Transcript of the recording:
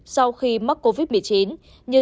sau khi mất covid một mươi chín như